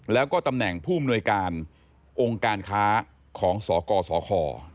แล้วก็ตำแหน่งผู้อำนวยการองค์การค้าของสกสค